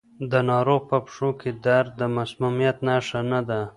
د ناروغ په پښو کې درد د مسمومیت نښه نه ده.